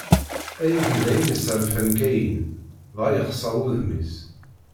Ayagi d ayen yesserfan Kayin, dɣa yexseṛ wudem-is.